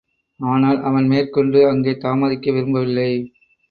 ஆனால், அவன் மேற்கொண்டு அங்கே தாமதிக்க விரும்பவில்லை.